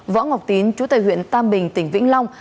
võ ngọc tín chủ tịch huyện tam bình tỉnh vĩnh long